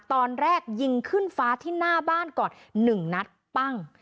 ตอนแรกยิงขึ้นฟ้าที่หน้าบ้านก่อน๑นัดปั้ง